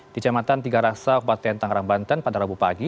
di jamatan tiga rasa kabupaten tangerang banten pada rabu pagi